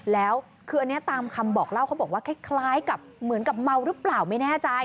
แล้วคืออันนี้ตามคำบอกเล่าเขาบอกว่าคล้ายกับเหมือนกับเมาหรือเปล่าไม่แน่ใจ